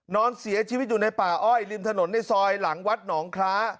นอนเสียชีวิตอยู่ในป่าอ้อยริมถนนในซอยหลังวัดหนองคล้า